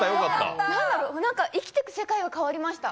なんか生きていく世界が変わりました。